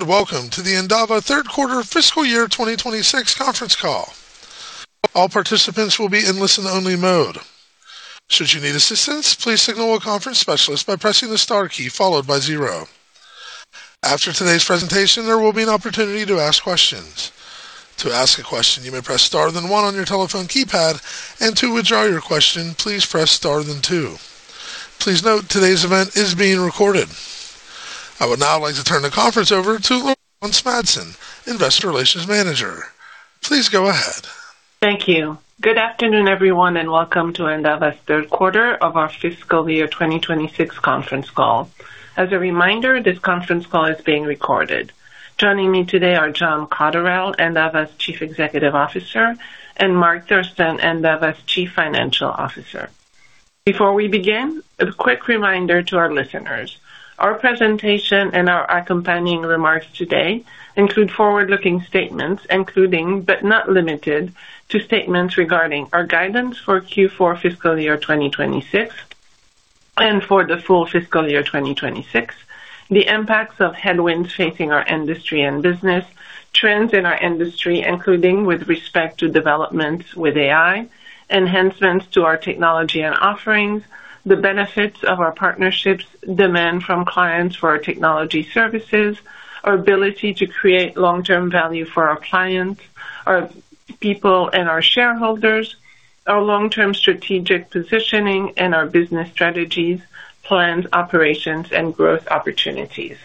Good day, and welcome to the Endava third quarter fiscal year 2026 conference call. All participants will be in listen-only mode. Should you need assistance, please signal a conference specialist by pressing the star key followed by zero. After today's presentation, there will be an opportunity to ask questions. To ask a question, you may press star then one on your telephone keypad, and to withdraw your question, please press star then two. Please note today's event is being recorded. I would now like to turn the conference over to Laurence Madsen, Investor Relations Manager. Please go ahead. Thank you. Good afternoon, everyone, and welcome to Endava's third quarter of our fiscal year 2026 conference call. As a reminder, this conference call is being recorded. Joining me today are John Cotterell, Endava's Chief Executive Officer, and Mark Thurston, Endava's Chief Financial Officer. Before we begin, a quick reminder to our listeners. Our presentation and our accompanying remarks today include forward-looking statements, including but not limited to statements regarding our guidance for Q4 fiscal year 2026 and for the full fiscal year 2026, the impacts of headwinds facing our industry and business, trends in our industry including with respect to developments with AI, enhancements to our technology and offerings, the benefits of our partnerships, demand from clients for our technology services, our ability to create long-term value for our clients, our people, and our shareholders, our long-term strategic positioning, and our business strategies, plans, operations, and growth opportunities.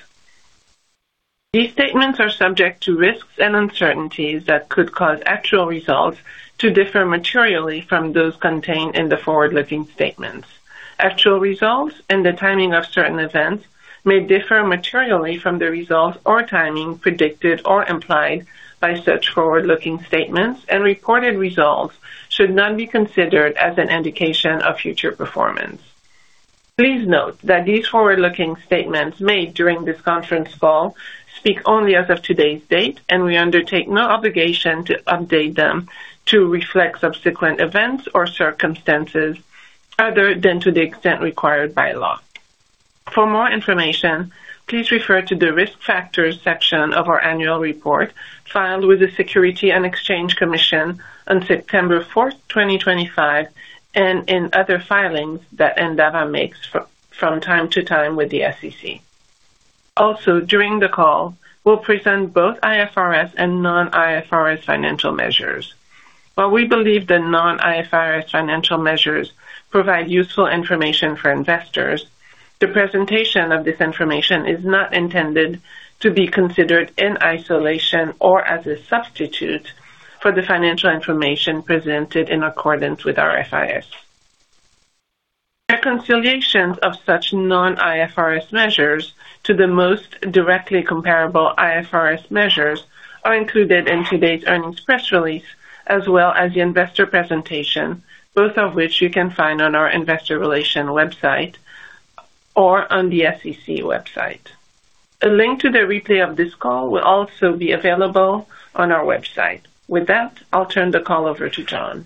These statements are subject to risks and uncertainties that could cause actual results to differ materially from those contained in the forward-looking statements. Actual results and the timing of certain events may differ materially from the results or timing predicted or implied by such forward-looking statements, and reported results should not be considered as an indication of future performance. Please note that these forward-looking statements made during this conference call speak only as of today's date, and we undertake no obligation to update them to reflect subsequent events or circumstances other than to the extent required by law. For more information, please refer to the Risk Factors section of our annual report filed with the Securities and Exchange Commission on September 4th, 2025, and in other filings that Endava makes from time to time with the SEC. During the call, we'll present both IFRS and non-IFRS financial measures. While we believe the non-IFRS financial measures provide useful information for investors, the presentation of this information is not intended to be considered in isolation or as a substitute for the financial information presented in accordance with IFRS. Reconciliations of such non-IFRS measures to the most directly comparable IFRS measures are included in today's earnings press release, as well as the investor presentation, both of which you can find on our investor relations website or on the SEC website. A link to the replay of this call will also be available on our website. With that, I'll turn the call over to John.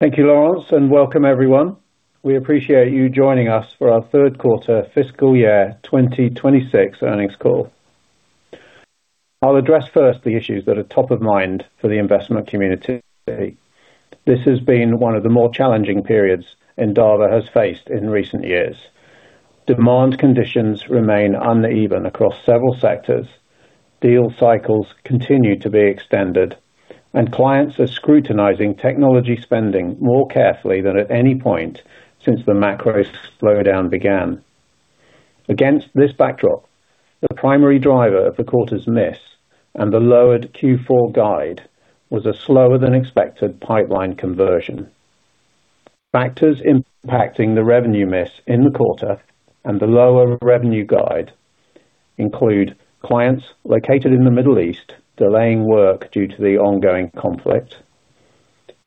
Thank you, Laurence, and welcome everyone. We appreciate you joining us for our third quarter fiscal year 2026 earnings call. I'll address first the issues that are top of mind for the investment community. This has been one of the more challenging periods Endava has faced in recent years. Demand conditions remain uneven across several sectors. Deal cycles continue to be extended, and clients are scrutinizing technology spending more carefully than at any point since the macro slowdown began. Against this backdrop, the primary driver of the quarter's miss and the lowered Q4 guide was a slower-than-expected pipeline conversion. Factors impacting the revenue miss in the quarter and the lower revenue guide include clients located in the Middle East delaying work due to the ongoing conflict,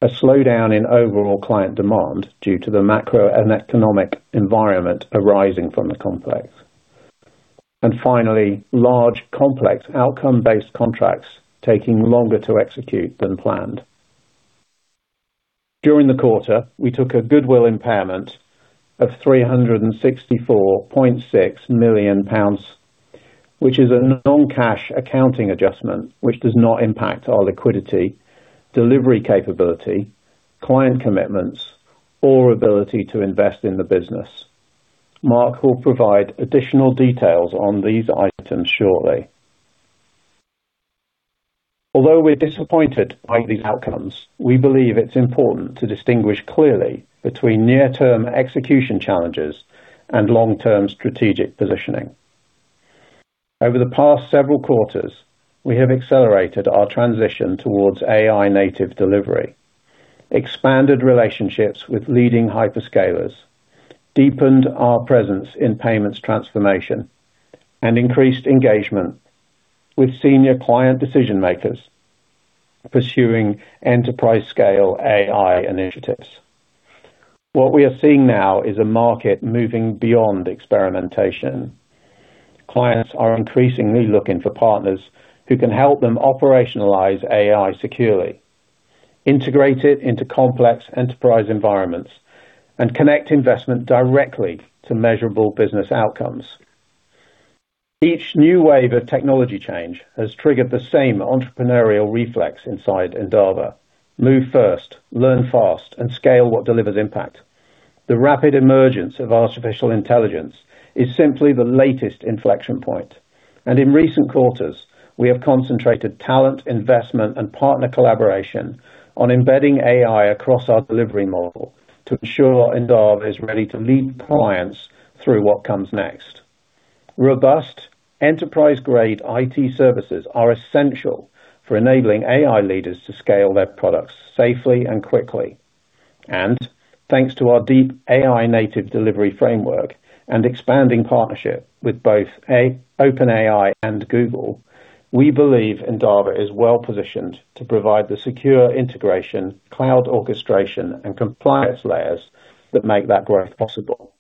a slowdown in overall client demand due to the macro and economic environment arising from the conflict, and finally, large, complex outcome-based contracts taking longer to execute than planned. During the quarter, we took a goodwill impairment of £364.6 million, which is a non-cash accounting adjustment, which does not impact our liquidity, delivery capability, client commitments, or ability to invest in the business. Mark will provide additional details on these items shortly. Although we're disappointed by these outcomes, we believe it's important to distinguish clearly between near-term execution challenges and long-term strategic positioning. Over the past several quarters, we have accelerated our transition towards AI-native delivery, expanded relationships with leading hyperscalers, deepened our presence in payments transformation, and increased engagement with senior client decision-makers pursuing enterprise-scale AI initiatives. What we are seeing now is a market moving beyond experimentation. Clients are increasingly looking for partners who can help them operationalize AI, securely integrate it into complex enterprise environments and connect investment directly to measurable business outcomes. Each new wave of technology change has triggered the same entrepreneurial reflex inside Endava. Move first, learn fast, and scale what delivers impact. The rapid emergence of artificial intelligence is simply the latest inflection point, and in recent quarters, we have concentrated talent, investment, and partner collaboration on embedding AI across our delivery model to ensure Endava is ready to lead clients through what comes next. Robust enterprise-grade IT services are essential for enabling AI leaders to scale their products safely and quickly. Thanks to our deep AI-native delivery framework and expanding partnership with both OpenAI and Google, we believe Endava is well-positioned to provide the secure integration, cloud orchestration, and compliance layers that make that growth possible.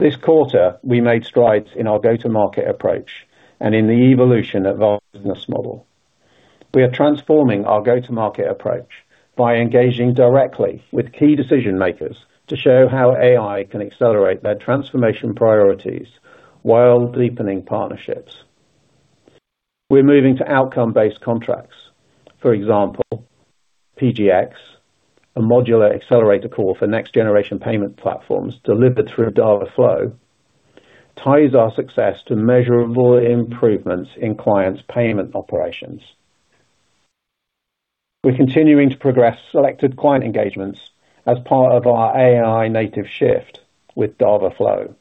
This quarter, we made strides in our go-to-market approach and in the evolution of our business model. We are transforming our go-to-market approach by engaging directly with key decision-makers to show how AI can accelerate their transformation priorities while deepening partnerships. We're moving to outcome-based contracts. For example, PGX, a modular accelerator core for next-generation payment platforms delivered through Endava Flow, ties our success to measurable improvements in clients' payment operations. We're continuing to progress selected client engagements as part of our AI-native shift with Endava Flow.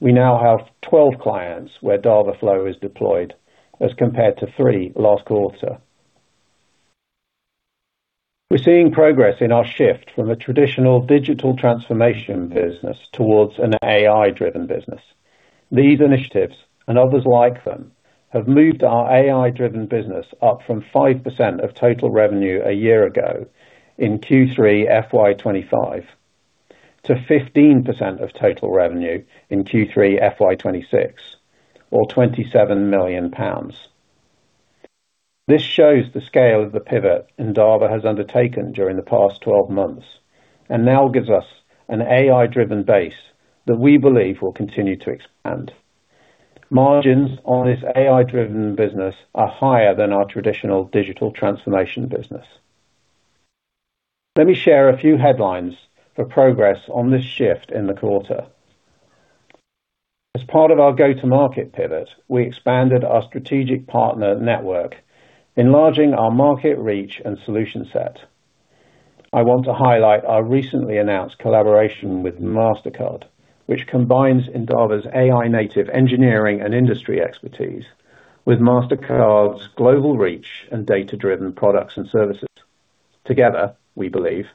We now have 12 clients where Dava.Flow is deployed as compared to three last quarter. We're seeing progress in our shift from a traditional digital transformation business towards an AI-driven business. These initiatives and others like them have moved our AI-driven business up from 5% of total revenue a year ago in Q3 FY 2025 to 15% of total revenue in Q3 FY 2026 or 27 million pounds. This shows the scale of the pivot Endava has undertaken during the past 12 months and now gives us an AI-driven base that we believe will continue to expand. Margins on this AI-driven business are higher than our traditional digital transformation business. Let me share a few headlines for progress on this shift in the quarter. As part of our go-to-market pivot, we expanded our strategic partner network, enlarging our market reach and solution set. I want to highlight our recently announced collaboration with Mastercard, which combines Endava's AI-native engineering and industry expertise with Mastercard's global reach and data-driven products and services. Together, we believe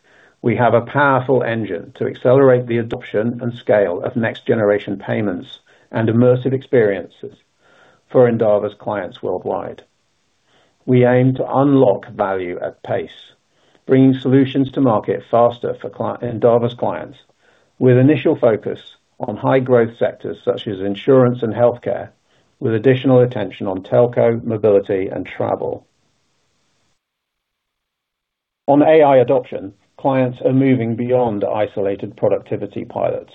we have a powerful engine to accelerate the adoption and scale of next-generation payments and immersive experiences for Endava's clients worldwide. We aim to unlock value at pace, bringing solutions to market faster for Endava's clients, with initial focus on high-growth sectors such as insurance and healthcare, with additional attention on telco, mobility, and travel. On AI adoption, clients are moving beyond isolated productivity pilots.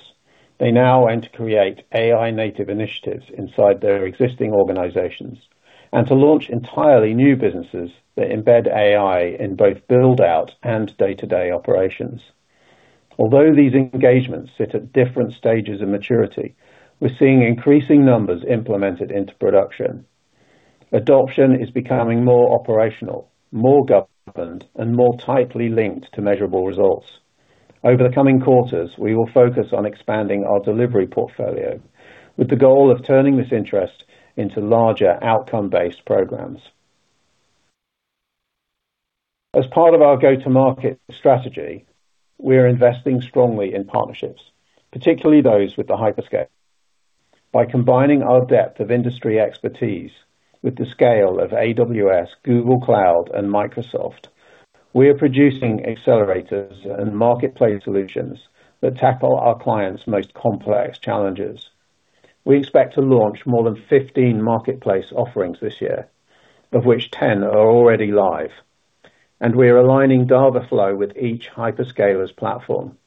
They now aim to create AI-native initiatives inside their existing organizations and to launch entirely new businesses that embed AI in both build-out and day-to-day operations. Although these engagements sit at different stages of maturity, we're seeing increasing numbers implemented into production. Adoption is becoming more operational, more governed, and more tightly linked to measurable results. Over the coming quarters, we will focus on expanding our delivery portfolio with the goal of turning this interest into larger outcome-based programs. As part of our go-to-market strategy, we are investing strongly in partnerships, particularly those with the hyperscale. By combining our depth of industry expertise with the scale of AWS, Google Cloud, and Microsoft, we are producing accelerators and marketplace solutions that tackle our clients' most complex challenges. We expect to launch more than 15 marketplace offerings this year, of which 10 are already live, and we are aligning Dava.Flow with each hyperscaler's platform.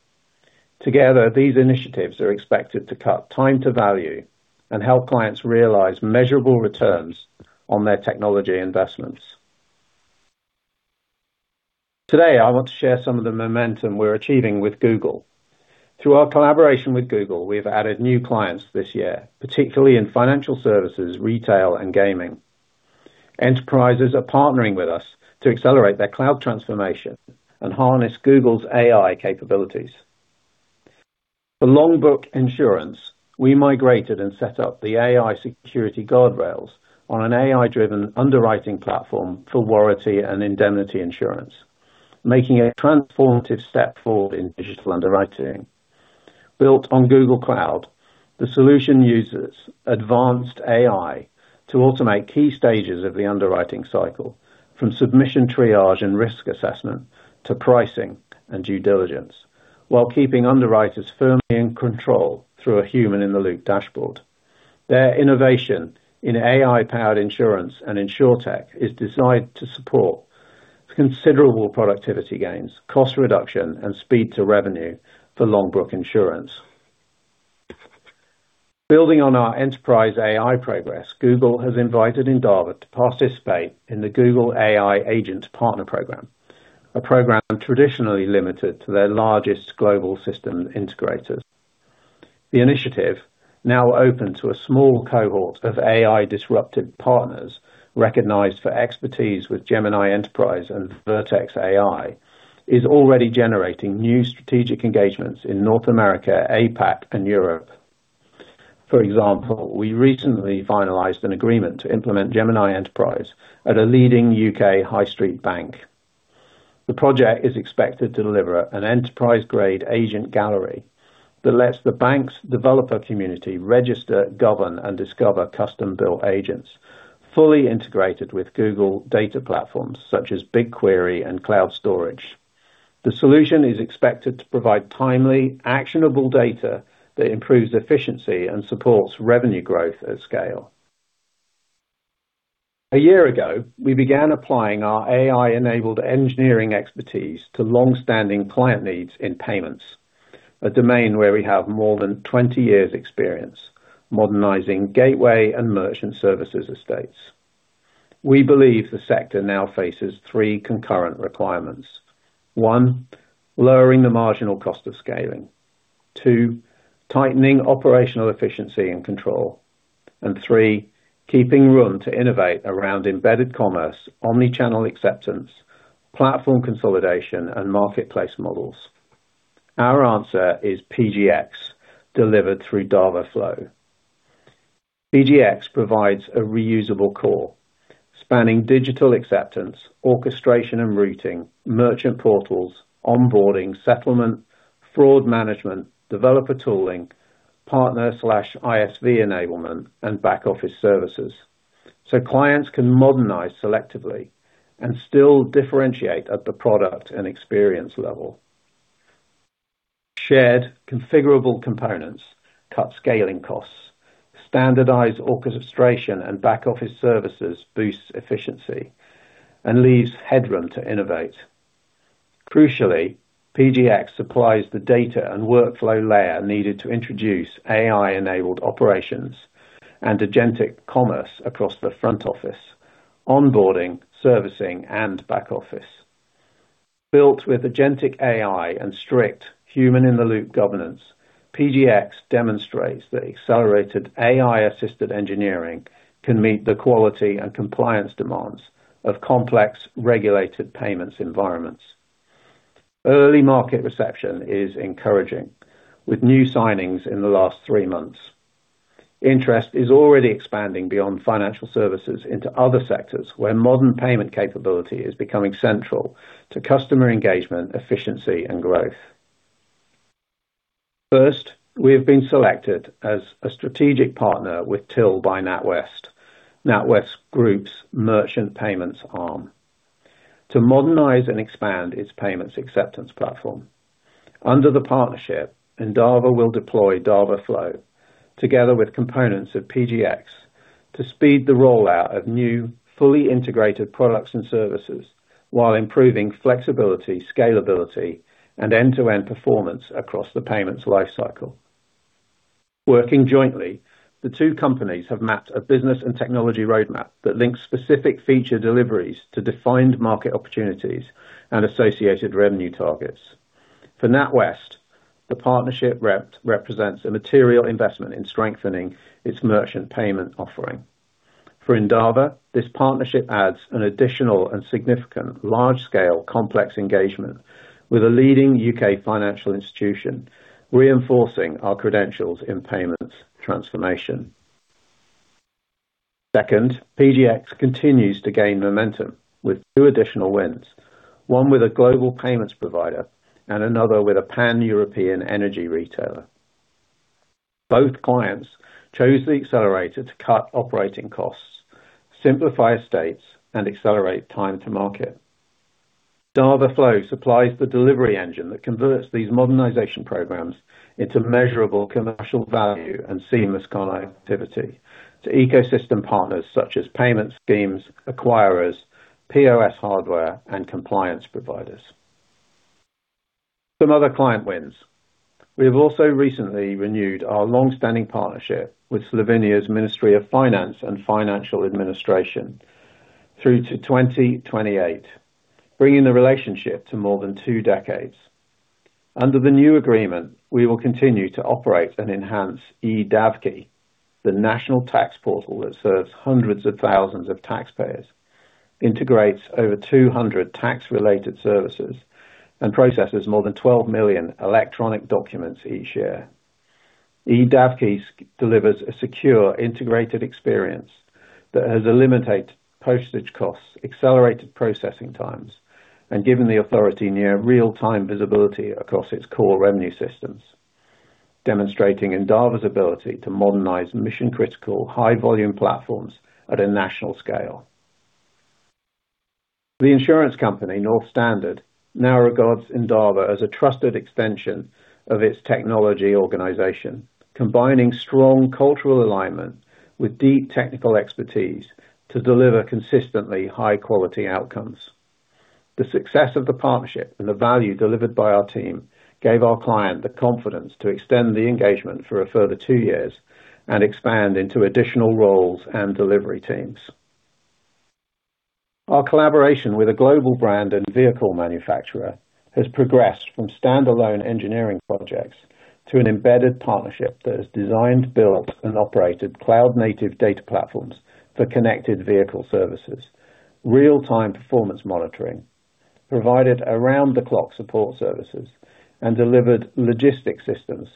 Together, these initiatives are expected to cut time to value and help clients realize measurable returns on their technology investments. Today, I want to share some of the momentum we're achieving with Google. Through our collaboration with Google, we have added new clients this year, particularly in financial services, retail, and gaming. Enterprises are partnering with us to accelerate their cloud transformation and harness Google's AI capabilities. For Longbrook Insurance, we migrated and set up the AI security guardrails on an AI-driven underwriting platform for warranty and indemnity insurance, making a transformative step forward in digital underwriting. Built on Google Cloud, the solution uses advanced AI to automate key stages of the underwriting cycle, from submission triage and risk assessment to pricing and due diligence, while keeping underwriters firmly in control through a human-in-the-loop dashboard. Their innovation in AI-powered insurance and Insurtech is designed to support considerable productivity gains, cost reduction, and speed to revenue for Longbrook Insurance. Building on our enterprise AI progress, Google has invited Endava to participate in the Google Cloud AI Agent ecosystem program, a program traditionally limited to their largest global system integrators. The initiative, now open to a small cohort of AI-disrupted partners recognized for expertise with Gemini Enterprise and Vertex AI, is already generating new strategic engagements in North America, APAC, and Europe. For example, we recently finalized an agreement to implement Gemini Enterprise at a leading U.K. high street bank. The project is expected to deliver an enterprise-grade agent gallery that lets the bank's developer community register, govern, and discover custom-built agents, fully integrated with Google data platforms such as BigQuery and Cloud Storage. The solution is expected to provide timely, actionable data that improves efficiency and supports revenue growth at scale. A year ago, we began applying our AI-enabled engineering expertise to long-standing client needs in payments, a domain where we have more than 20 years experience modernizing gateway and merchant services estates. We believe the sector now faces three concurrent requirements. One. Lowering the marginal cost of scaling. Two. Tightening operational efficiency and control. Three. Keeping room to innovate around embedded commerce, omni-channel acceptance, platform consolidation, and marketplace models. Our answer is PGX, delivered through Dava.Flow. PGX provides a reusable core, spanning digital acceptance, orchestration and routing, merchant portals, onboarding, settlement, fraud management, developer tooling, partner/ISV enablement, and back-office services so clients can modernize selectively and still differentiate at the product and experience level. Shared configurable components cut scaling costs, standardized orchestration and back-office services boosts efficiency, and leaves headroom to innovate. Crucially, PGX supplies the data and workflow layer needed to introduce AI-enabled operations and agentic commerce across the front office, onboarding, servicing, and back office. Built with agentic AI and strict human-in-the-loop governance, PGX demonstrates that accelerated AI-assisted engineering can meet the quality and compliance demands of complex regulated payments environments. Early market reception is encouraging, with new signings in the last three months. Interest is already expanding beyond financial services into other sectors, where modern payment capability is becoming central to customer engagement, efficiency, and growth. First, we have been selected as a strategic partner with Tyl by NatWest Group's merchant payments arm, to modernize and expand its payments acceptance platform. Under the partnership, Endava will deploy Dava.Flow together with components of PGX to speed the rollout of new, fully integrated products and services while improving flexibility, scalability, and end-to-end performance across the payments life cycle. Working jointly, the two companies have mapped a business and technology roadmap that links specific feature deliveries to defined market opportunities and associated revenue targets. For NatWest, the partnership represents a material investment in strengthening its merchant payment offering. For Endava, this partnership adds an additional and significant large-scale complex engagement with a leading U.K. financial institution, reinforcing our credentials in payments transformation. Second, PGX continues to gain momentum with two additional wins, one with a global payments provider and another with a Pan-European energy retailer. Both clients chose the accelerator to cut operating costs, simplify estates, and accelerate time to market. Dava.Flow supplies the delivery engine that converts these modernization programs into measurable commercial value and seamless connectivity to ecosystem partners such as payment schemes, acquirers, POS hardware, and compliance providers. Some other client wins. We have also recently renewed our long-standing partnership with Slovenia's Ministry of Finance and Financial Administration through to 2028, bringing the relationship to more than two decades. Under the new agreement, we will continue to operate and enhance eDavki, the national tax portal that serves hundreds of thousands of taxpayers, integrates over 200 tax-related services, and processes more than 12 million electronic documents each year. eDavki delivers a secure, integrated experience that has eliminated postage costs, accelerated processing times, and given the authority near real-time visibility across its core revenue systems, demonstrating Endava's ability to modernize mission-critical, high-volume platforms at a national scale. The insurance company, NorthStandard, now regards Endava as a trusted extension of its technology organization, combining strong cultural alignment with deep technical expertise to deliver consistently high-quality outcomes. The success of the partnership and the value delivered by our team gave our client the confidence to extend the engagement for a further two years and expand into additional roles and delivery teams. Our collaboration with a global brand and vehicle manufacturer has progressed from standalone engineering projects to an embedded partnership that has designed, built, and operated cloud-native data platforms for connected vehicle services, real-time performance monitoring, provided around-the-clock support services, and delivered logistics systems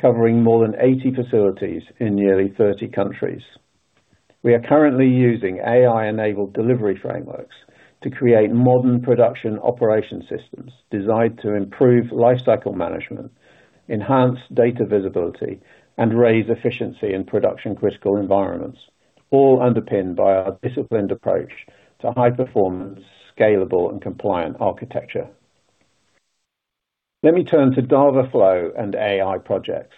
covering more than 80 facilities in nearly 30 countries. We are currently using AI-enabled delivery frameworks to create modern production operation systems designed to improve lifecycle management, enhance data visibility, and raise efficiency in production-critical environments, all underpinned by our disciplined approach to high-performance, scalable, and compliant architecture. Let me turn to Endava Flow and AI projects.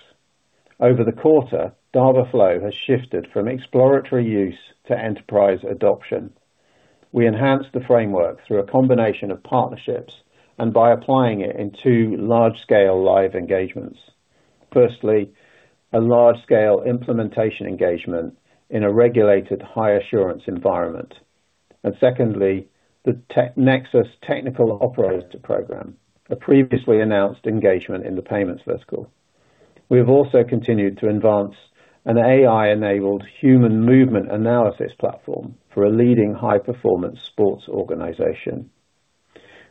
Over the quarter, Endava Flow has shifted from exploratory use to enterprise adoption. We enhanced the framework through a combination of partnerships and by applying it in two large-scale live engagements. Firstly, a large-scale implementation engagement in a regulated high-assurance environment. Secondly, the Nexus technical operator program, a previously announced engagement in the payments vertical. We have also continued to advance an AI-enabled human movement analysis platform for a leading high-performance sports organization.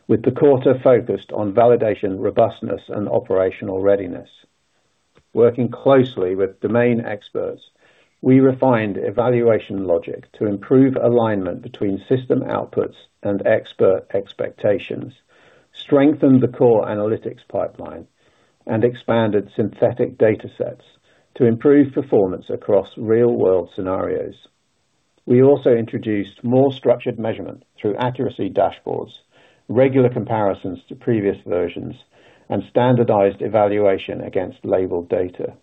With the quarter focused on validation, robustness, and operational readiness. Working closely with domain experts, we refined evaluation logic to improve alignment between system outputs and expert expectations, strengthened the core analytics pipeline, and expanded synthetic data sets to improve performance across real-world scenarios. We also introduced more structured measurement through accuracy dashboards, regular comparisons to previous versions, and standardized evaluation against labeled data.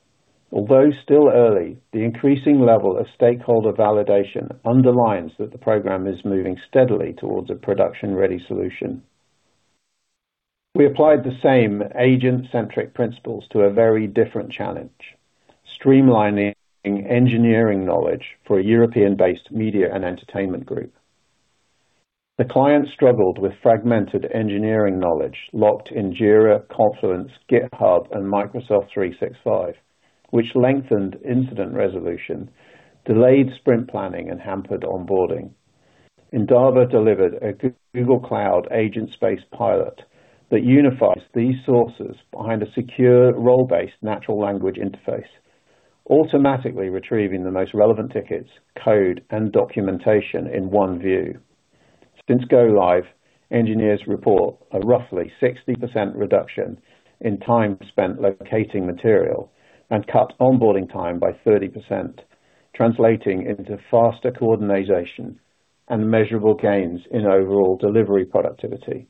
Although still early, the increasing level of stakeholder validation underlines that the program is moving steadily towards a production-ready solution. We applied the same agent-centric principles to a very different challenge, streamlining engineering knowledge for a European-based media and entertainment group. The client struggled with fragmented engineering knowledge locked in Jira, Confluence, GitHub, and Microsoft 365, which lengthened incident resolution, delayed sprint planning, and hampered onboarding. Endava delivered a Google Cloud agent space pilot that unifies these sources behind a secure role-based natural language interface, automatically retrieving the most relevant tickets, code, and documentation in one view. Since go live, engineers report a roughly 60% reduction in time spent locating material and cut onboarding time by 30%, translating into faster coordination and measurable gains in overall delivery productivity,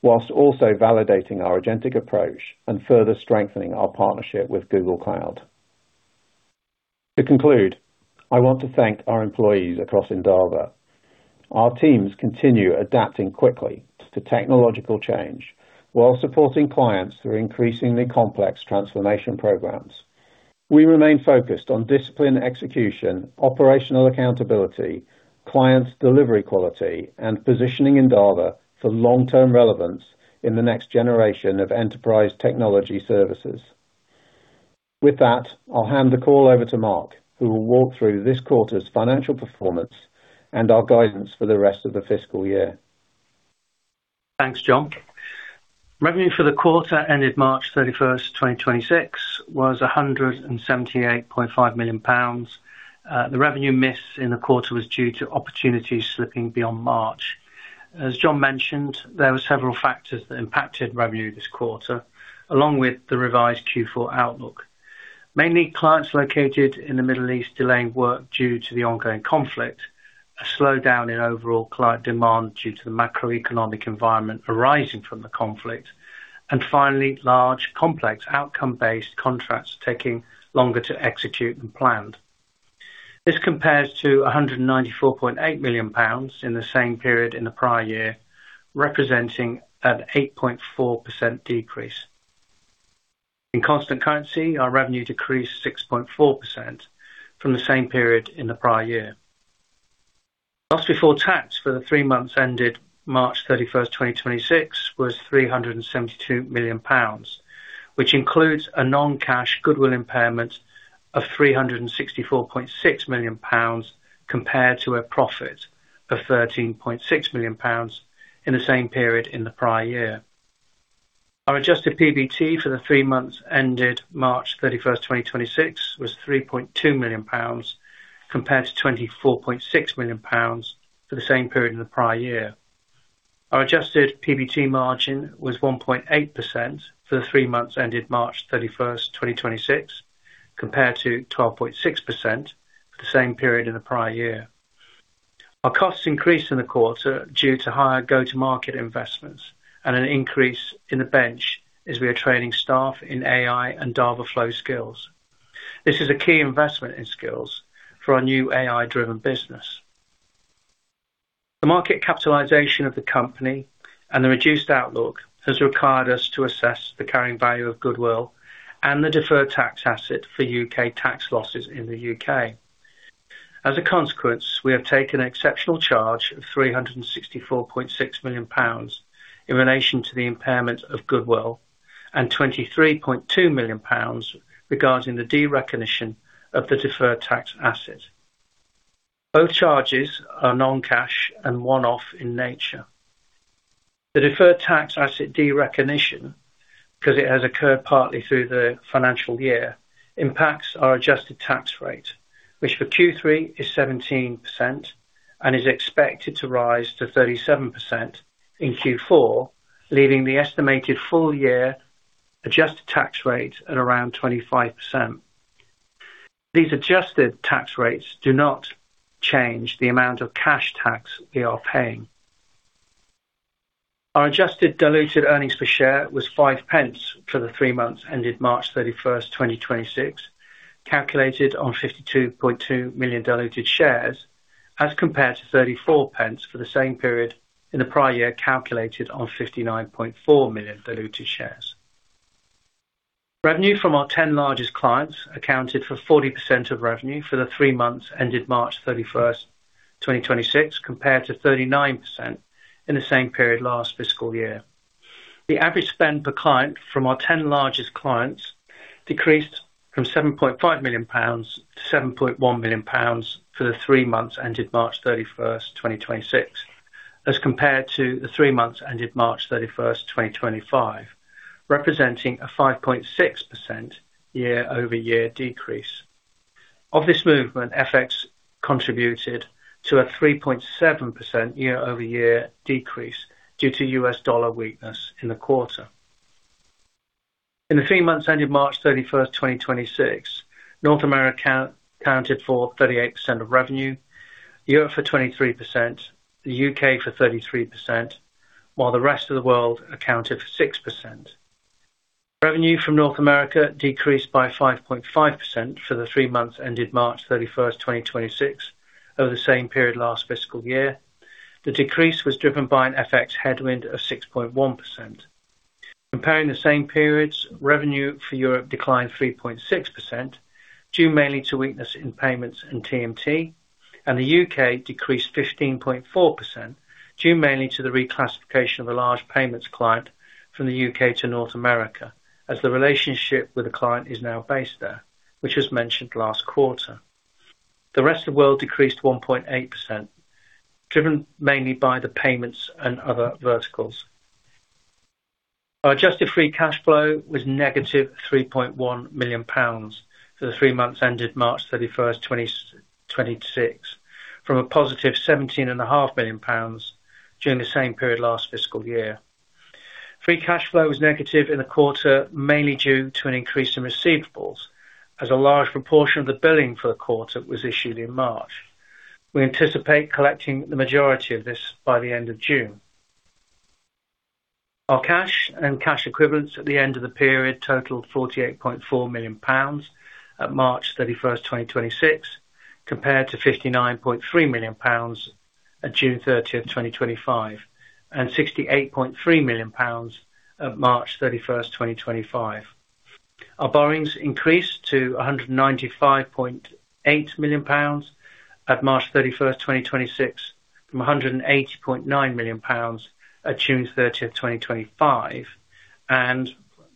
while also validating our agentic approach and further strengthening our partnership with Google Cloud. To conclude, I want to thank our employees across Endava. Our teams continue adapting quickly to technological change while supporting clients through increasingly complex transformation programs. We remain focused on disciplined execution, operational accountability, client delivery quality, and positioning Endava for long-term relevance in the next generation of enterprise technology services. With that, I will hand the call over to Mark, who will walk through this quarter's financial performance and our guidance for the rest of the fiscal year. Thanks, John. Revenue for the quarter ended March 31st, 2026, was 178.5 million pounds. The revenue miss in the quarter was due to opportunities slipping beyond March. As John mentioned, there were several factors that impacted revenue this quarter, along with the revised Q4 outlook. Mainly clients located in the Middle East delaying work due to the ongoing conflict, a slowdown in overall client demand due to the macroeconomic environment arising from the conflict, and finally, large, complex outcome-based contracts taking longer to execute than planned. This compares to 194.8 million pounds in the same period in the prior year, representing an 8.4% decrease. In constant currency, our revenue decreased 6.4% from the same period in the prior year. Loss before tax for the three months ended March 31st, 2026, was 372 million pounds, which includes a non-cash goodwill impairment of 364.6 million pounds, compared to a profit of 13.6 million pounds in the same period in the prior year. Our Adjusted PBT for the three months ended March 31st, 2026, was 3.2 million pounds, compared to 24.6 million pounds for the same period in the prior year. Our Adjusted PBT margin was 1.8% for the three months ended March 31st, 2026, compared to 12.6% for the same period in the prior year. Our costs increased in the quarter due to higher go-to-market investments and an increase in the bench as we are training staff in AI and Dava.Flow skills. This is a key investment in skills for our new AI-driven business. The market capitalization of the company and the reduced outlook has required us to assess the carrying value of goodwill and the deferred tax asset for U.K. tax losses in the U.K. As a consequence, we have taken an exceptional charge of £364.6 million in relation to the impairment of goodwill and £23.2 million regarding the derecognition of the deferred tax asset. Both charges are non-cash and one-off in nature. The deferred tax asset derecognition, because it has occurred partly through the financial year, impacts our adjusted tax rate, which for Q3 is 17% and is expected to rise to 37% in Q4, leaving the estimated full year adjusted tax rate at around 25%. These adjusted tax rates do not change the amount of cash tax we are paying. Our adjusted diluted earnings per share was 0.05 for the three months ended March 31st, 2026, calculated on 52.2 million diluted shares, as compared to 0.34 for the same period in the prior year, calculated on 59.4 million diluted shares. Revenue from our 10 largest clients accounted for 40% of revenue for the three months ended March 31st, 2026, compared to 39% in the same period last fiscal year. The average spend per client from our 10 largest clients decreased from 7.5 million pounds to 7.1 million pounds for the three months ended March 31st, 2026, as compared to the three months ended March 31st, 2025, representing a 5.6% year-over-year decrease. Of this movement, FX contributed to a 3.7% year-over-year decrease due to US dollar weakness in the quarter. In the three months ended March 31st, 2026, North America accounted for 38% of revenue, Europe for 23%, the U.K. for 33%, while the rest of the world accounted for 6%. Revenue from North America decreased by 5.5% for the three months ended March 31st, 2026, over the same period last fiscal year. The decrease was driven by an FX headwind of 6.1%. Comparing the same periods, revenue for Europe declined 3.6%, due mainly to weakness in payments and TMT, and the U.K. decreased 15.4%, due mainly to the reclassification of a large payments client from the U.K. to North America, as the relationship with the client is now based there, which was mentioned last quarter. The rest of world decreased 1.8%, driven mainly by the payments and other verticals. Our adjusted free cash flow was negative 3.1 million pounds for the three months ended March 31st, 2026, from a positive GBP 17.5 million during the same period last fiscal year. Free cash flow was negative in the quarter, mainly due to an increase in receivables, as a large proportion of the billing for the quarter was issued in March. We anticipate collecting the majority of this by the end of June. Our cash and cash equivalents at the end of the period totaled 48.4 million pounds at March 31st, 2026, compared to 59.3 million pounds at June 30th, 2025, and 68.3 million pounds at March 31st, 2025. Our borrowings increased to GBP 195.8 million at March 31st, 2026, from 180.9 million pounds at June 30th, 2025, and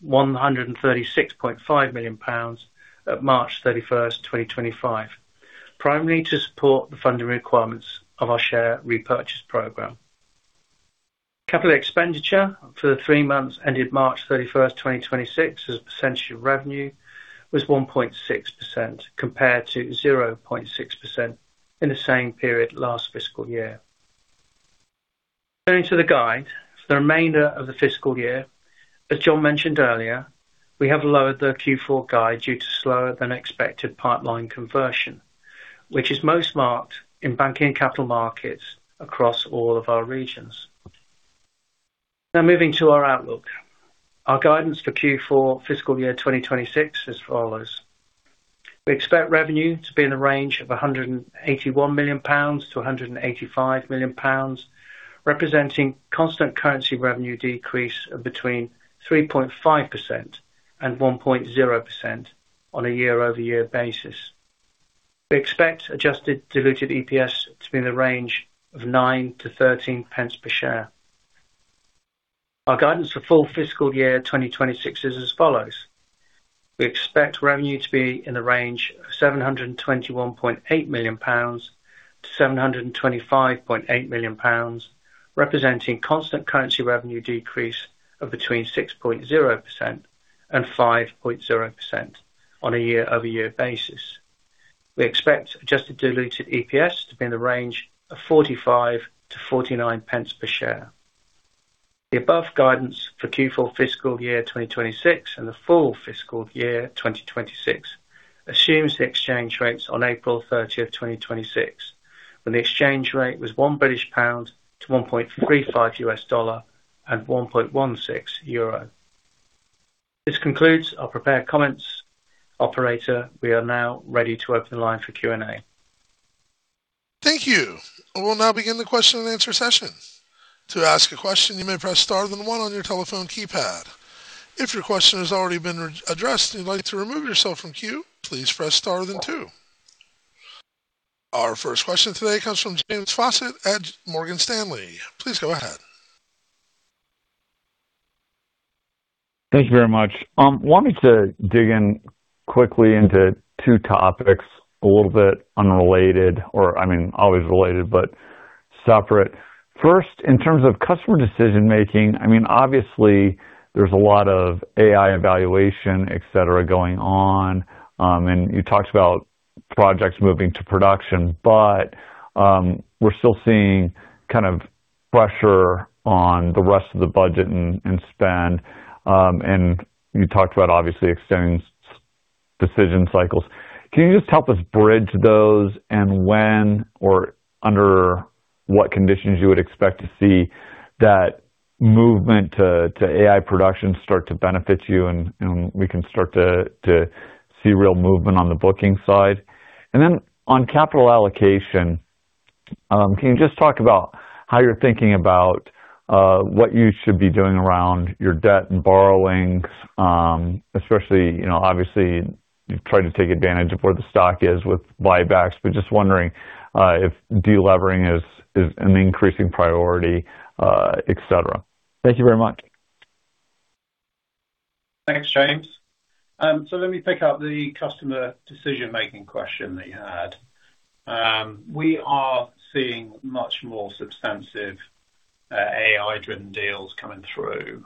136.5 million pounds at March 31st, 2025, primarily to support the funding requirements of our share repurchase program. Capital expenditure for the three months ended March 31st, 2026, as a percentage of revenue, was 1.6% compared to 0.6% in the same period last fiscal year. Turning to the guide for the remainder of the fiscal year, as John mentioned earlier, we have lowered the Q4 guide due to slower than expected pipeline conversion, which is most marked in banking and capital markets across all of our regions. Now moving to our outlook. Our guidance for Q4 fiscal year 2026 is as follows. We expect revenue to be in the range of 181 million pounds to 185 million pounds, representing constant currency revenue decrease of between 3.5% and 1.0% on a year-over-year basis. We expect adjusted diluted EPS to be in the range of 0.09 to 0.13 per share. Our guidance for full fiscal year 2026 is as follows. We expect revenue to be in the range of 721.8 million-725.8 million pounds, representing constant currency revenue decrease of between 6.0% and 5.0% on a year-over-year basis. We expect adjusted diluted EPS to be in the range of 0.45-0.49 per share. The above guidance for Q4 fiscal year 2026 and the full fiscal year 2026 assumes the exchange rates on April 30th, 2026, when the exchange rate was one British pound to $1.35 US and 1.16 euro. This concludes our prepared comments. Operator, we are now ready to open the line for Q&A. Thank you. We'll now begin the question-and-answer session. To ask a question, you may press star one on your telephone keypad. If your question has already been addressed and you'd like to remove yourself from queue, please press star two. Our first question today comes from James Faucette at Morgan Stanley. Please go ahead. Thank you very much. Wanted to dig in quickly into two topics, a little bit unrelated or always related, but separate. First, in terms of customer decision-making, obviously there's a lot of AI evaluation, et cetera, going on. You talked about projects moving to production. We're still seeing kind of pressure on the rest of the budget and spend. You talked about obviously extending decision cycles. Can you just help us bridge those and when or under what conditions you would expect to see that movement to AI production start to benefit you, and we can start to see real movement on the booking side? Then on capital allocation, can you just talk about how you're thinking about what you should be doing around your debt and borrowings? Especially, obviously you've tried to take advantage of where the stock is with buybacks, but just wondering if de-levering is an increasing priority, et cetera. Thank you very much. Thanks, James. Let me pick up the customer decision-making question that you had. We are seeing much more substantive AI-driven deals coming through.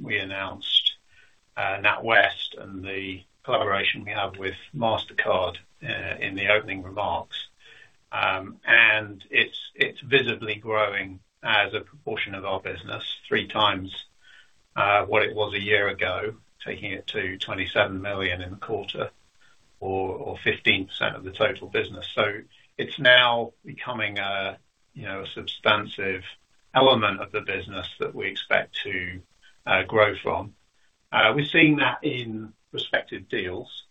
We announced NatWest and the collaboration we have with Mastercard in the opening remarks. It's visibly growing as a proportion of our business, three times what it was a year ago, taking it to 27 million in the quarter or 15% of the total business. It's now becoming a substantive element of the business that we expect to grow from. We're seeing that in prospective deals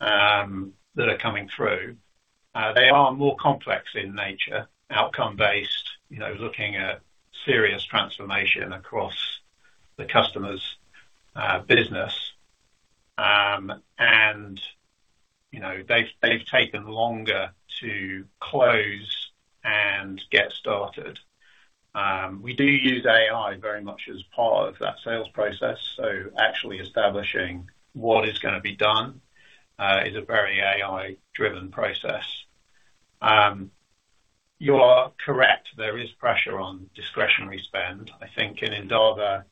that are coming through. They are more complex in nature, outcome-based, looking at serious transformation across the customer's business. They've taken longer to close and get started. We do use AI very much as part of that sales process, so actually establishing what is going to be done, is a very AI-driven process. You are correct. There is pressure on discretionary spend. I think in Endava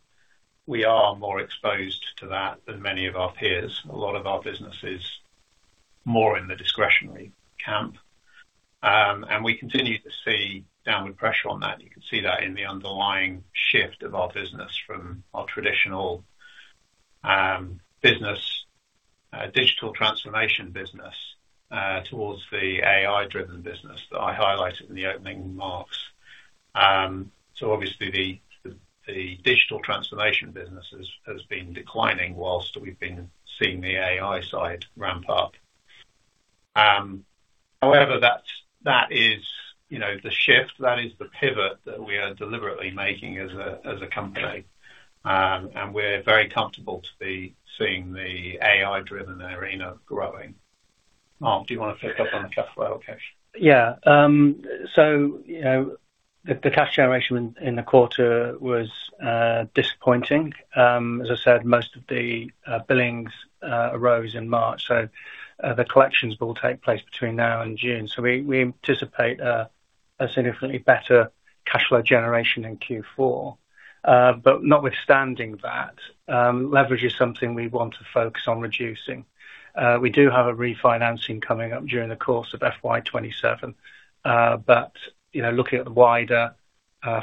we are more exposed to that than many of our peers. A lot of our business is more in the discretionary camp. We continue to see downward pressure on that. You can see that in the underlying shift of our business from our traditional business, digital transformation business, towards the AI-driven business that I highlighted in the opening remarks. Obviously the digital transformation business has been declining whilst we've been seeing the AI side ramp up. That is the shift, that is the pivot that we are deliberately making as a company. We're very comfortable to be seeing the AI-driven arena growing. Mark, do you want to pick up on the cash flow question? Yeah. The cash generation in the quarter was disappointing. As I said, most of the billings arose in March, so the collections will take place between now and June. We anticipate a significantly better cash flow generation in Q4. Notwithstanding that, leverage is something we want to focus on reducing. We do have a refinancing coming up during the course of FY 2027. Looking at the wider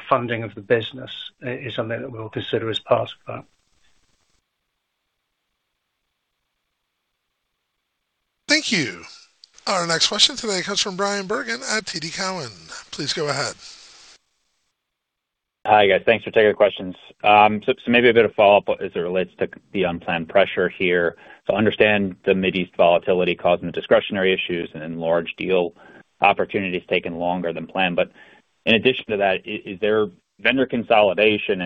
funding of the business is something that we'll consider as part of that. Thank you. Our next question today comes from Bryan Bergin at TD Cowen. Please go ahead. Hi, guys. Thanks for taking the questions. Maybe a bit of follow-up as it relates to the unplanned pressure here. Understand the Mideast volatility causing the discretionary issues and then large deal opportunities taking longer than planned. In addition to that, is there vendor consolidation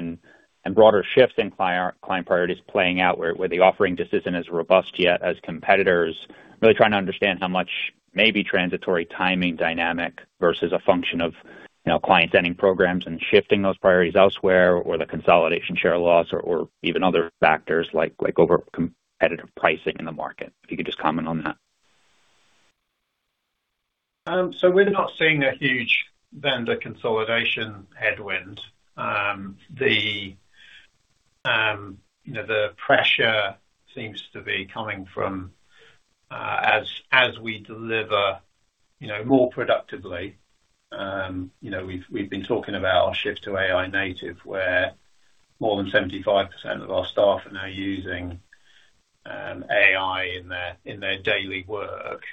and broader shifts in client priorities playing out where the offering just isn't as robust yet as competitors? Really trying to understand how much may be transitory timing dynamic versus a function of client-ending programs and shifting those priorities elsewhere, or the consolidation share loss or even other factors like over-competitive pricing in the market. If you could just comment on that. We're not seeing a huge vendor consolidation headwind. The pressure seems to be coming from as we deliver more productively. We've been talking about our shift to AI native, where more than 75% of our staff are now using AI in their daily work,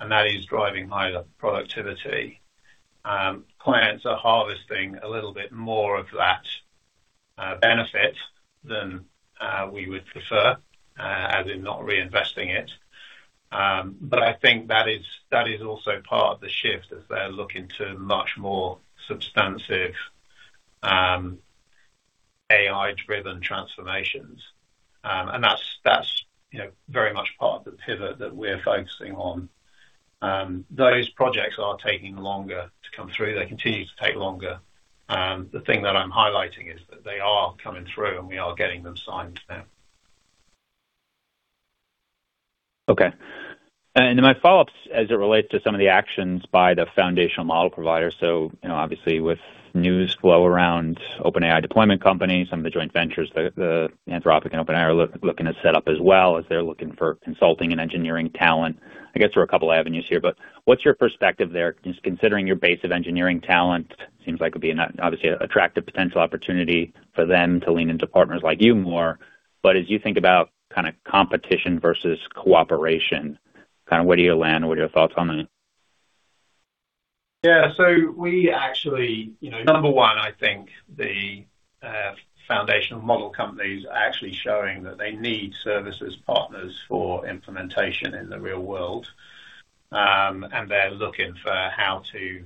and that is driving higher productivity. Clients are harvesting a little bit more of that benefit than we would prefer, as in not reinvesting it. I think that is also part of the shift as they're looking to much more substantive AI-driven transformations. That's very much part of the pivot that we're focusing on. Those projects are taking longer to come through. They continue to take longer. The thing that I'm highlighting is that they are coming through and we are getting them signed now. Okay. My follow-up, as it relates to some of the actions by the foundational model provider. Obviously with news flow around OpenAI deployment companies, some of the joint ventures that Anthropic and OpenAI are looking to set up as well as they're looking for consulting and engineering talent. I guess there are a couple avenues here, what's your perspective there, just considering your base of engineering talent? Seems like it would be obviously attractive potential opportunity for them to lean into partners like you more. As you think about kind of competition versus cooperation, kind of where do you land? What are your thoughts on that? Yeah. We actually, number one, I think the foundational model companies are actually showing that they need services partners for implementation in the real world. They're looking for how to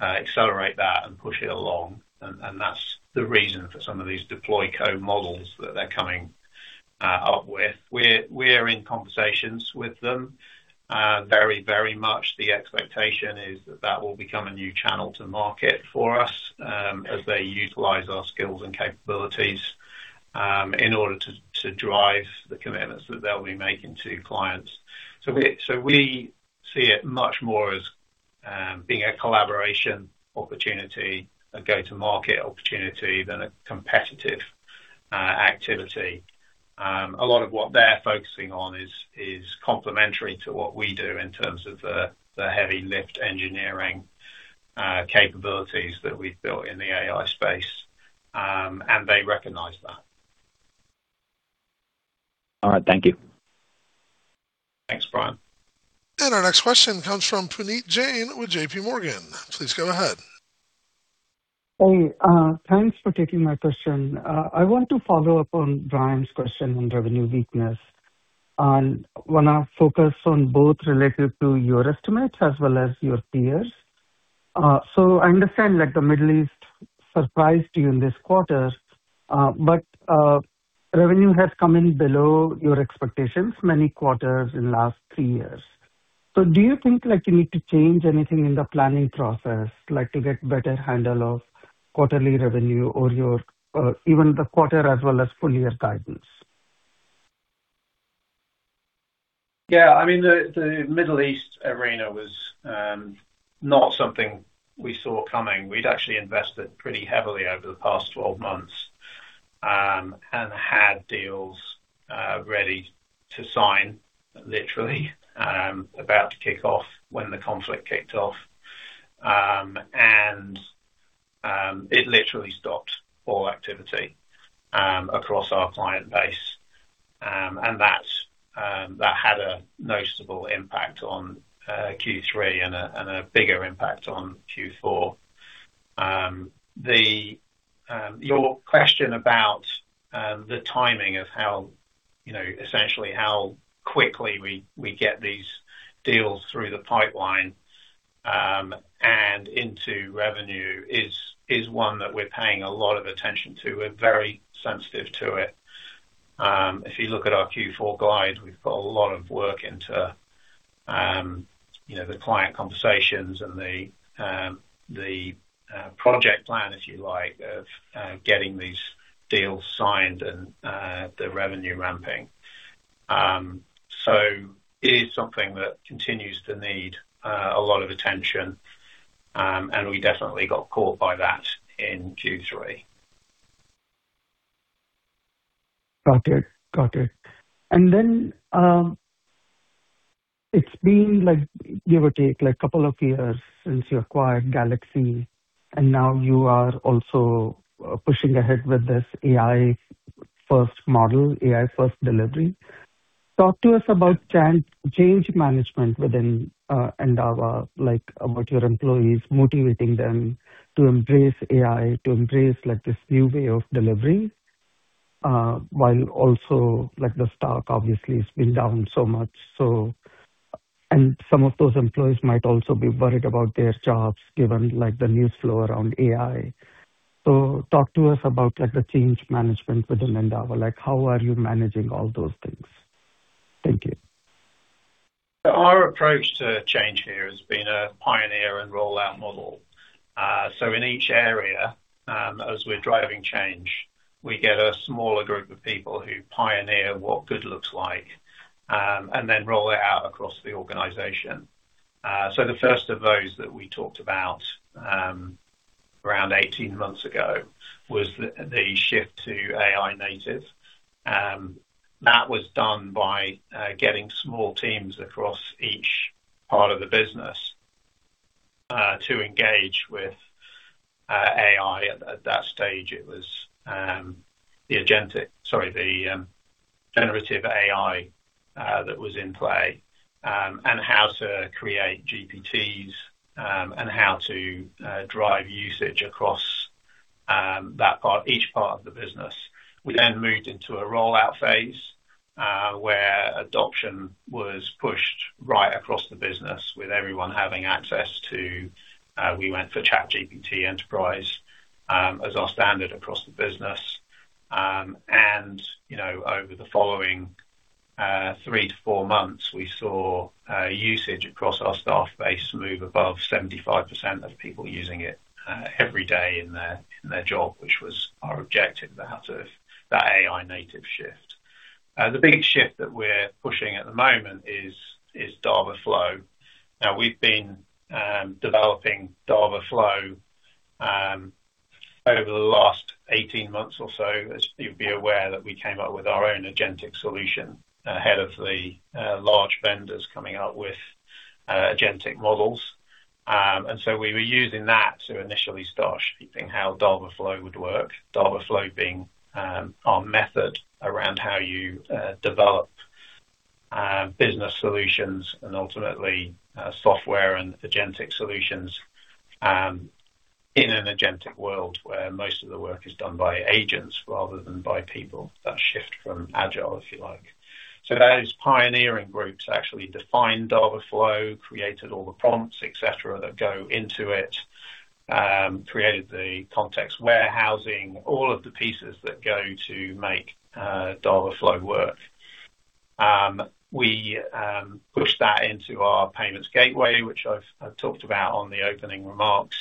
accelerate that and push it along. That's the reason for some of these DeployCo models that they're coming up with. We're in conversations with them very much. The expectation is that that will become a new channel to market for us as they utilize our skills and capabilities in order to drive the commitments that they'll be making to clients. We see it much more as being a collaboration opportunity, a go-to-market opportunity, than a competitive activity. A lot of what they're focusing on is complementary to what we do in terms of the heavy lift engineering capabilities that we've built in the AI space. They recognize that. All right. Thank you. Thanks, Bryan. Our next question comes from Puneet Jain with JPMorgan. Please go ahead. Hey, thanks for taking my question. I want to follow up on Bryan's question on revenue weakness and want to focus on both related to your estimates as well as your peers. I understand, like, the Middle East surprised you in this quarter, but revenue has come in below your expectations many quarters in last three years. Do you think, like, you need to change anything in the planning process, like, to get better handle of quarterly revenue or even the quarter as well as full year guidance? Yeah, I mean, the Middle East arena was not something we saw coming. We'd actually invested pretty heavily over the past 12 months and had deals ready to sign, literally, about to kick off when the conflict kicked off. It literally stopped all activity across our client base. That had a noticeable impact on Q3 and a bigger impact on Q4. Your question about the timing of essentially how quickly we get these deals through the pipeline and into revenue is one that we're paying a lot of attention to. We're very sensitive to it. If you look at our Q4 guide, we've put a lot of work into the client conversations and the project plan, if you like, of getting these deals signed and the revenue ramping. It is something that continues to need a lot of attention. We definitely got caught by that in Q3. Got it. It's been give or take, two years since you acquired GalaxE. Now you are also pushing ahead with this AI first model, AI first delivery. Talk to us about change management within Endava, about your employees, motivating them to embrace AI, to embrace this new way of delivering, while also, the stock obviously has been down so much. Some of those employees might also be worried about their jobs given the news flow around AI. Talk to us about the change management within Endava. How are you managing all those things? Thank you. Our approach to change here has been a pioneer and rollout model. In each area, as we're driving change, we get a smaller group of people who pioneer what good looks like, and then roll it out across the organization. The first of those that we talked about around 18 months ago was the shift to AI native. That was done by getting small teams across each part of the business, to engage with AI. At that stage, it was the generative AI that was in play, and how to create GPTs, and how to drive usage across that part, each part of the business. We then moved into a rollout phase, where adoption was pushed right across the business with everyone having access to. We went for ChatGPT Enterprise as our standard across the business. Over the following three to four months, we saw usage across our staff base move above 75% of people using it every day in their job, which was our objective out of that AI native shift. The big shift that we're pushing at the moment is Dava.Flow. We've been developing Dava.Flow over the last 18 months or so, as you'd be aware that we came up with our own agentic solution ahead of the large vendors coming out with agentic models. We were using that to initially start shaping how Dava.Flow would work. Dava.Flow being our method around how you develop business solutions and ultimately software and agentic solutions in an agentic world where most of the work is done by agents rather than by people. That shift from agile, if you like. Those pioneering groups actually defined Dava.Flow, created all the prompts, et cetera, that go into it, created the context warehousing, all of the pieces that go to make Dava.Flow work. We pushed that into our payments gateway, which I've talked about on the opening remarks,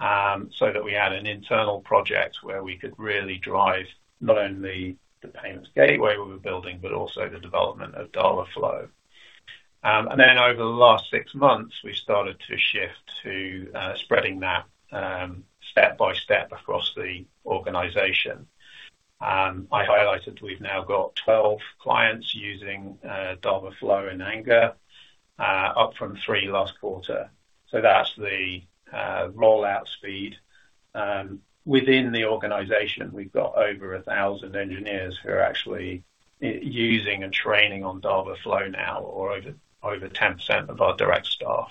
so that we had an internal project where we could really drive not only the payments gateway we were building, but also the development of Dava.Flow. Over the last six months, we started to shift to spreading that step by step across the organization. I highlighted we've now got 12 clients using Dava.Flow in anger, up from three last quarter. That's the rollout speed. Within the organization, we've got over 1,000 engineers who are actually using and training on Dava.Flow now or over 10% of our direct staff.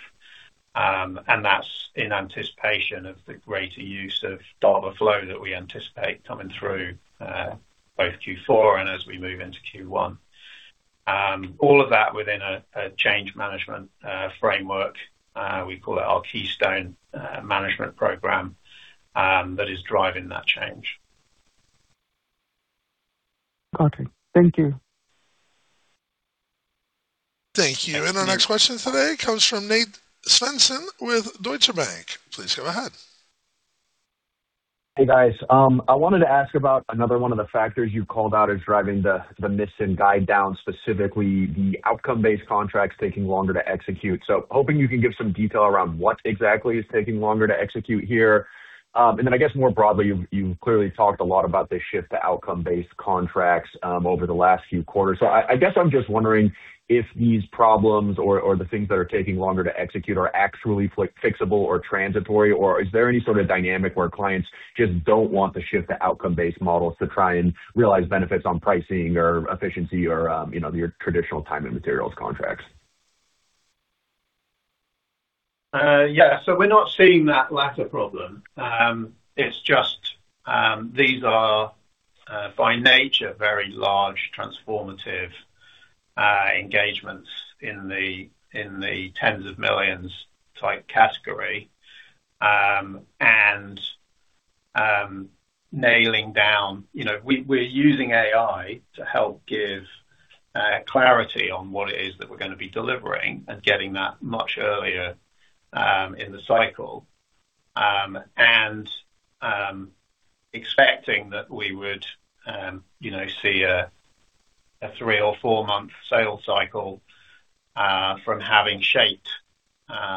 That's in anticipation of the greater use of Dava.Flow that we anticipate coming through both Q4 and as we move into Q1. All of that within a change management framework, we call it our Keystone Management Programme, that is driving that change. Got it. Thank you. Thank you. Our next question today comes from Nate Svensson with Deutsche Bank. Please go ahead. Hey, guys. I wanted to ask about another one of the factors you called out as driving the miss and guide down, specifically the outcome-based contracts taking longer to execute. Hoping you can give some detail around what exactly is taking longer to execute here. I guess more broadly, you've clearly talked a lot about the shift to outcome-based contracts over the last few quarters. I guess I'm just wondering if these problems or the things that are taking longer to execute are actually fixable or transitory, or is there any sort of dynamic where clients just don't want to shift to outcome-based models to try and realize benefits on pricing or efficiency or your traditional time and materials contracts? We're not seeing that latter problem. It is just these are, by nature, very large transformative engagements in the tens of millions type category. We are using AI to help give clarity on what it is that we are going to be delivering and getting that much earlier in the cycle, and expecting that we would see a three or four-month sales cycle from having shaped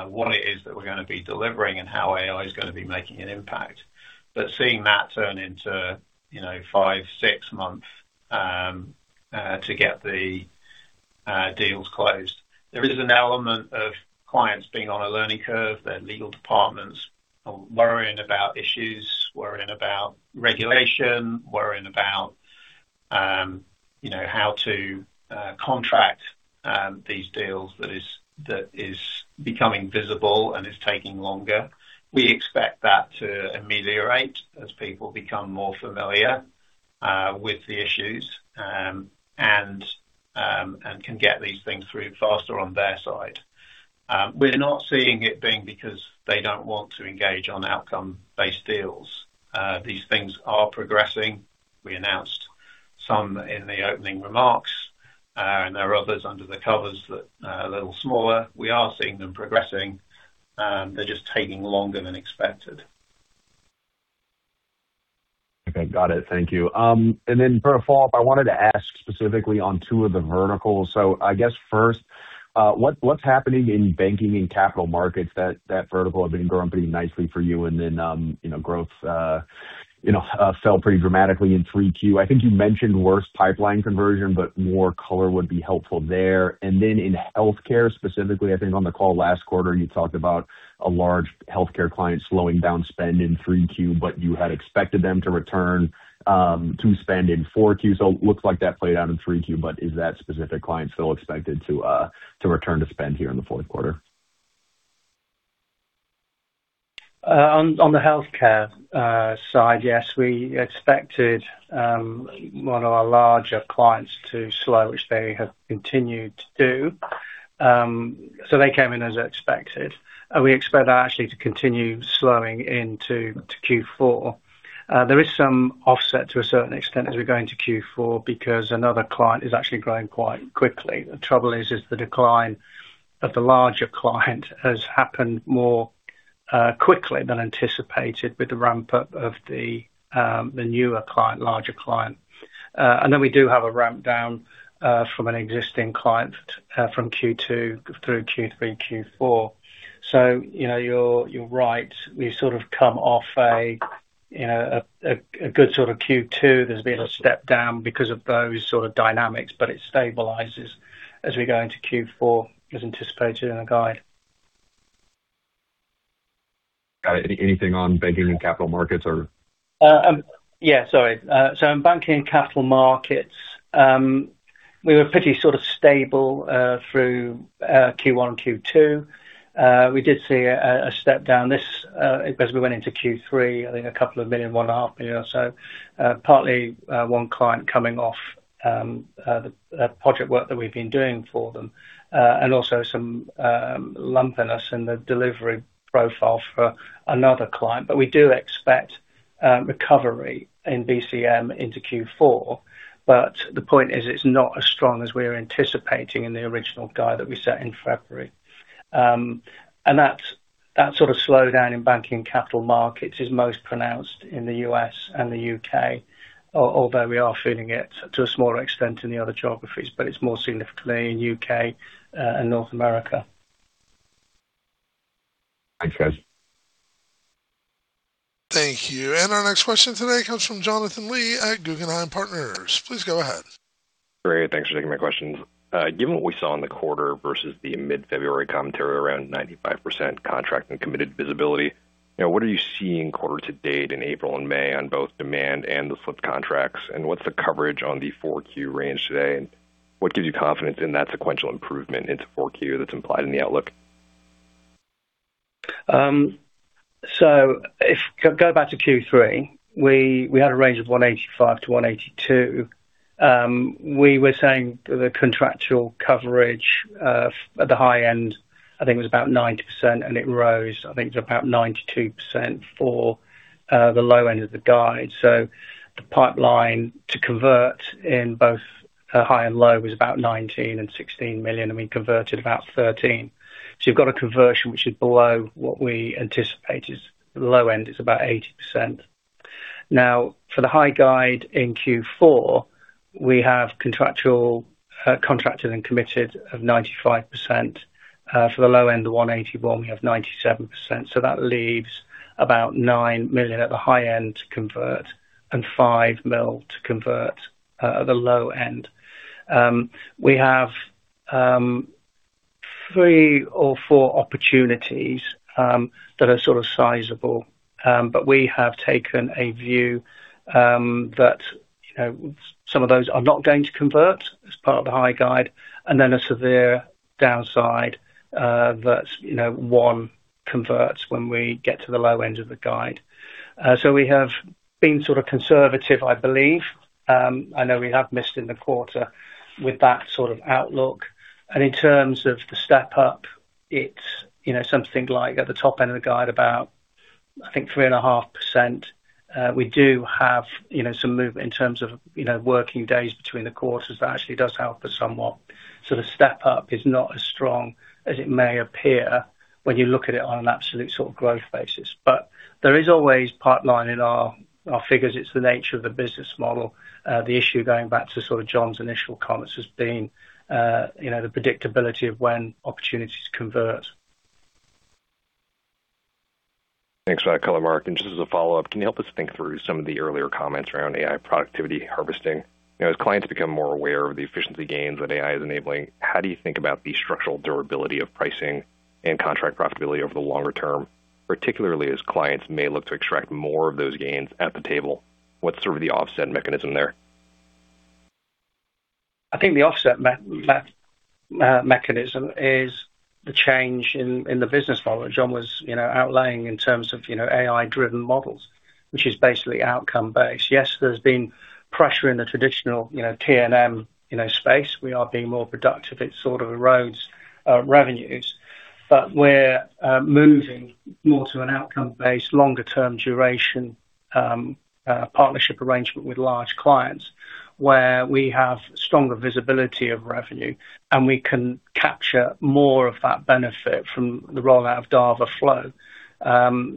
what it is that we are going to be delivering and how AI is going to be making an impact. Seeing that turn into five, six months to get the deals closed. There is an element of clients being on a learning curve. Their legal departments are worrying about issues, worrying about regulation, worrying about how to contract these deals that is becoming visible and is taking longer. We expect that to ameliorate as people become more familiar with the issues, and can get these things through faster on their side. We're not seeing it being because they don't want to engage on outcome-based deals. These things are progressing. We announced Some in the opening remarks, and there are others under the covers that are a little smaller. We are seeing them progressing. They're just taking longer than expected. Okay. Got it. Thank you. For a follow-up, I wanted to ask specifically on two of the verticals. I guess first, what's happening in banking and capital markets? That vertical have been growing pretty nicely for you and then growth fell pretty dramatically in 3Q. I think you mentioned worse pipeline conversion, but more color would be helpful there. In healthcare specifically, I think on the call last quarter, you talked about a large healthcare client slowing down spend in 3Q, but you had expected them to return to spend in 4Q. Looks like that played out in 3Q, but is that specific client still expected to return to spend here in the fourth quarter? On the healthcare side, yes, we expected one of our larger clients to slow, which they have continued to do. They came in as expected. We expect that actually to continue slowing into Q4. There is some offset to a certain extent as we go into Q4 because another client is actually growing quite quickly. The trouble is the decline of the larger client has happened more quickly than anticipated with the ramp-up of the newer client, larger client. Then we do have a ramp down from an existing client from Q2 through Q3, Q4. You're right. We've sort of come off a good sort of Q2. There's been a step down because of those sort of dynamics, but it stabilizes as we go into Q4, as anticipated in our guide. Got it. Anything on banking and capital markets or? Sorry. In banking and capital markets, we were pretty stable through Q1, Q2. We did see a step down as we went into Q3, I think 2 million, one and a half million or so. Partly one client coming off the project work that we've been doing for them, and also some lumpiness in the delivery profile for another client. We do expect recovery in BCM into Q4. The point is, it's not as strong as we were anticipating in the original guide that we set in February. That sort of slowdown in banking and capital markets is most pronounced in the U.S. and the U.K., although we are feeling it to a smaller extent in the other geographies, but it's more significantly in U.K. and North America. Thanks, guys. Thank you. Our next question today comes from Jonathan Lee at Guggenheim Partners. Please go ahead. Great. Thanks for taking my questions. Given what we saw in the quarter versus the mid-February commentary around 95% contract and committed visibility, what are you seeing quarter to date in April and May on both demand and the slipped contracts? What's the coverage on the 4Q range today, and what gives you confidence in that sequential improvement into 4Q that's implied in the outlook? If go back to Q3, we had a range of 185 million-182 million. We were saying the contractual coverage, at the high end, I think it was about 90%, and it rose, I think, to about 92% for the low end of the guide. The pipeline to convert in both high and low was about 19 million and 16 million, and we converted about 13 million. You've got a conversion which is below what we anticipated. The low end is about 80%. For the high guide in Q4, we have contracted and committed of 95%. For the low end of 181 million, we have 97%. That leaves about 9 million at the high end to convert and 5 million to convert at the low end. We have three or four opportunities that are sort of sizable. We have taken a view that some of those are not going to convert as part of the high guide, and then a severe downside that one converts when we get to the low end of the guide. We have been sort of conservative, I believe. I know we have missed in the quarter with that sort of outlook. In terms of the step-up, it's something like at the top end of the guide about, I think, 3.5%. We do have some movement in terms of working days between the quarters. That actually does help us somewhat. The step-up is not as strong as it may appear when you look at it on an absolute growth basis. There is always pipeline in our figures. It's the nature of the business model. The issue, going back to John's initial comments, has been the predictability of when opportunities convert. Thanks for that color, Mark. Just as a follow-up, can you help us think through some of the earlier comments around AI productivity harvesting? As clients become more aware of the efficiency gains that AI is enabling, how do you think about the structural durability of pricing and contract profitability over the longer term, particularly as clients may look to extract more of those gains at the table? What's sort of the offset mechanism there? I think the offset mechanism is the change in the business model that John was outlining in terms of AI-driven models, which is basically outcome-based. Yes, there's been pressure in the traditional T&M space. We are being more productive. It sort of erodes revenues. We're moving more to an outcome-based, longer-term duration partnership arrangement with large clients, where we have stronger visibility of revenue, and we can capture more of that benefit from the rollout of Dava.Flow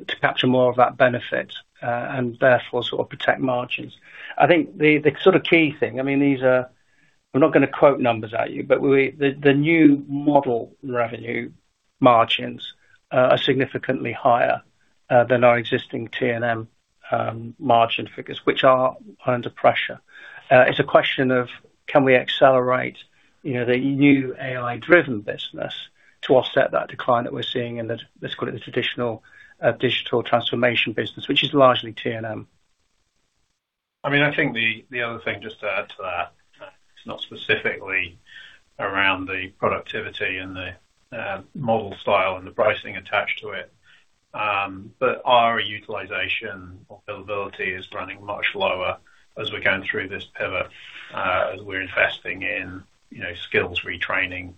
to capture more of that benefit, and therefore protect margins. I think the key thing, I mean, I'm not going to quote numbers at you, but the new model revenue margins are significantly higher than our existing T&M margin figures, which are under pressure. It's a question of can we accelerate the new AI-driven business to offset that decline that we're seeing in the, let's call it the traditional digital transformation business, which is largely T&M. I think the other thing, just to add to that, it's not specifically around the productivity and the model style and the pricing attached to it, but our utilization or billability is running much lower as we're going through this pivot, as we're investing in skills retraining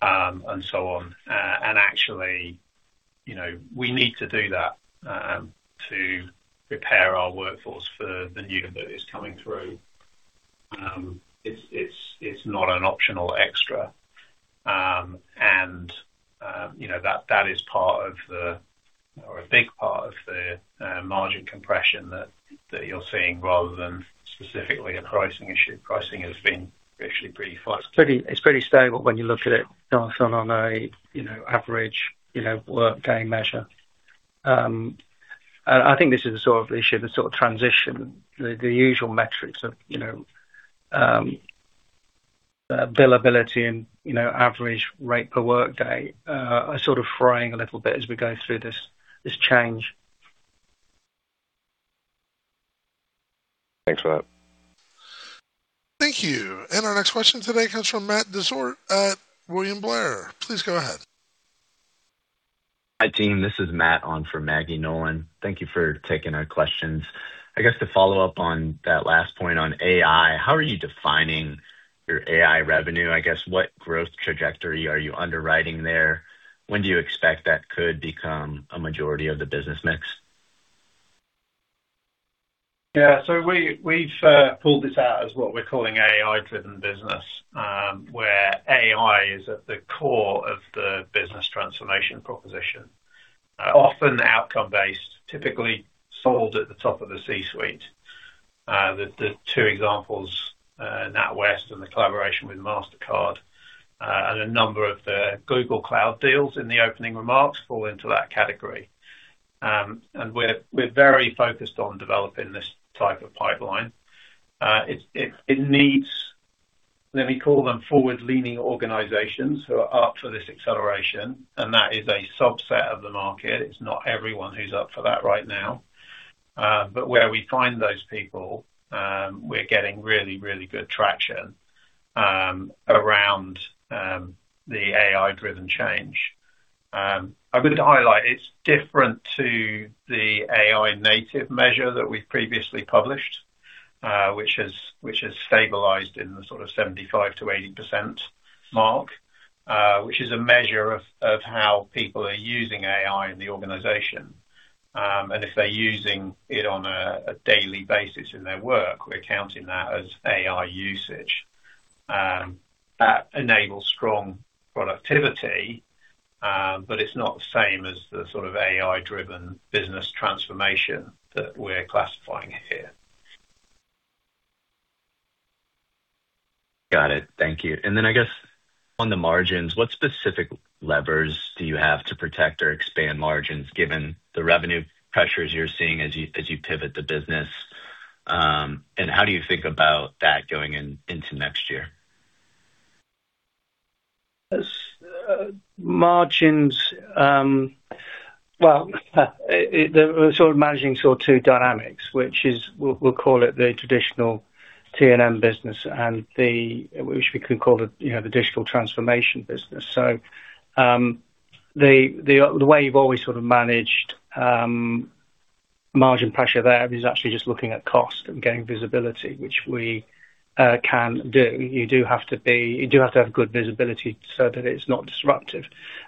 and so on. Actually, we need to do that to prepare our workforce for the new that is coming through. It's not an optional extra. That is part of the, or a big part of the margin compression that you're seeing rather than specifically a pricing issue. Pricing has been actually pretty flat. It's pretty stable when you look at it, Jonathan, on an average work day measure. I think this is the sort of issue, the sort of transition, the usual metrics of billability and average rate per work day are sort of fraying a little bit as we go through this change. Thanks for that. Thank you. Our next question today comes from Matt Dezort at William Blair. Please go ahead. Hi, team. This is Matt on for Margaret Nolan. Thank you for taking our questions. I guess to follow up on that last point on AI, how are you defining your AI revenue? I guess, what growth trajectory are you underwriting there? When do you expect that could become a majority of the business mix? Yeah. We've pulled this out as what we're calling AI-driven business, where AI is at the core of the business transformation proposition. Often outcome-based, typically sold at the top of the C-suite. The two examples, NatWest and the collaboration with Mastercard, and a number of the Google Cloud deals in the opening remarks fall into that category. We're very focused on developing this type of pipeline. It needs, let me call them forward-leaning organizations who are up for this acceleration, and that is a subset of the market. It's not everyone who's up for that right now. Where we find those people, we're getting really, really good traction around the AI-driven change. I would highlight it's different to the AI native measure that we've previously published, which has stabilized in the sort of 75%-80% mark, which is a measure of how people are using AI in the organization. If they're using it on a daily basis in their work, we're counting that as AI usage. That enables strong productivity, it's not the same as the sort of AI-driven business transformation that we're classifying it here. Got it. Thank you. I guess on the margins, what specific levers do you have to protect or expand margins given the revenue pressures you're seeing as you pivot the business? How do you think about that going into next year? Margins. Well, we're sort of managing two dynamics, which is, we'll call it the traditional T&M business and which we can call the digital transformation business. The way you've always sort of managed margin pressure there is actually just looking at cost and getting visibility, which we can do. You do have to have good visibility so that it's not disruptive.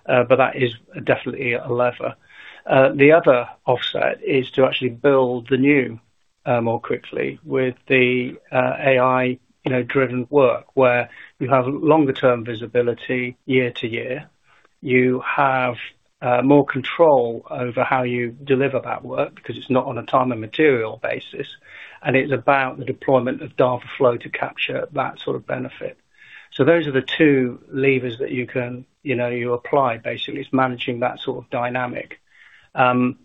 That is definitely a lever. The other offset is to actually build the new more quickly with the AI-driven work, where you have longer term visibility year to year. You have more control over how you deliver that work because it's not on a time and material basis, and it's about the deployment of Dava.Flow to capture that sort of benefit. Those are the two levers that you apply, basically. It's managing that sort of dynamic. I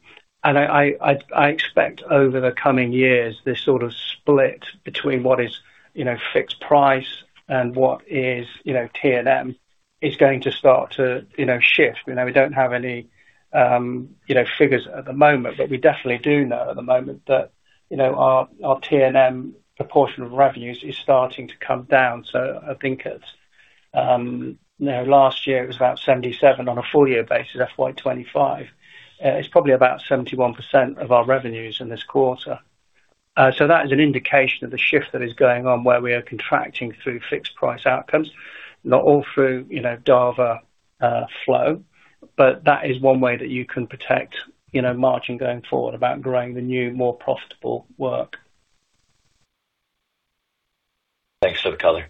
expect over the coming years, this sort of split between what is fixed price and what is T&M is going to start to shift. We don't have any figures at the moment. We definitely do know at the moment that our T&M proportion of revenues is starting to come down. Last year it was about 77 on a full year basis, FY 2025. It's probably about 71% of our revenues in this quarter. That is an indication of the shift that is going on where we are contracting through fixed price outcomes, not all through Dava.Flow. That is one way that you can protect margin going forward about growing the new, more profitable work. Thanks for the color.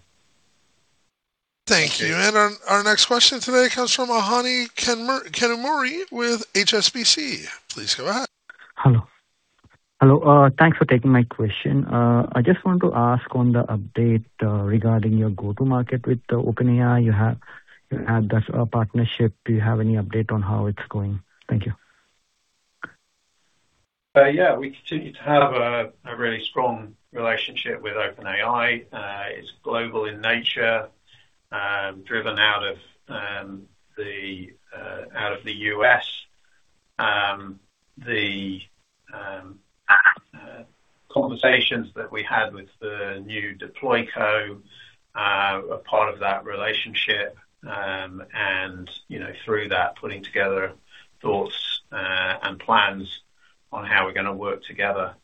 Thank you. Our next question today comes from Phani Kanumuri with HSBC. Please go ahead. Hello. Thanks for taking my question. I just want to ask on the update regarding your go-to market with the OpenAI. You had that partnership. Do you have any update on how it's going? Thank you. We continue to have a really strong relationship with OpenAI. It's global in nature, driven out of the U.S. The conversations that we had with the new DeployCo are part of that relationship, and through that, putting together thoughts and plans on how we're going to work together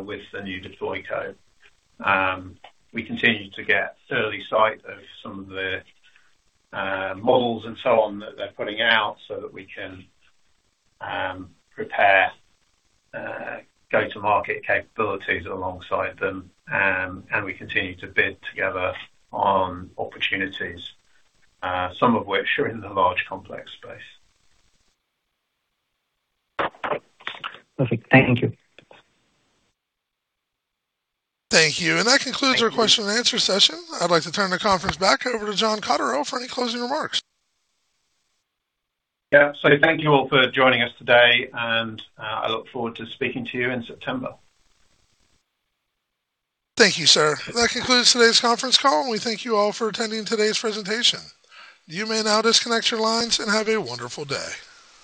with the new DeployCo. We continue to get early sight of some of the models and so on that they're putting out so that we can prepare go-to-market capabilities alongside them, and we continue to bid together on opportunities, some of which are in the large complex space. Perfect. Thank you. Thank you. That concludes our question-and-answer session. I'd like to turn the conference back over to John Cotterell for any closing remarks. Yeah. Thank you all for joining us today, and I look forward to speaking to you in September. Thank you, sir. That concludes today's conference call, and we thank you all for attending today's presentation. You may now disconnect your lines and have a wonderful day.